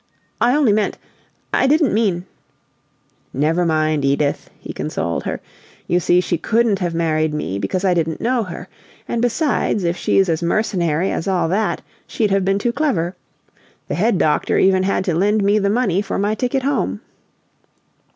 "I only meant I didn't mean " "Never mind, Edith," he consoled her. "You see, she couldn't have married me, because I didn't know her; and besides, if she's as mercenary as all that she'd have been too clever. The head doctor even had to lend me the money for my ticket home."